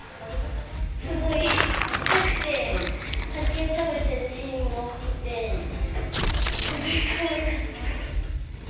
すごいちっちゃくて、竹を食べてるシーンが多くて、すごいかわいかった。